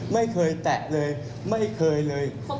ไม่เคยแตะเลยไม่เคยเลย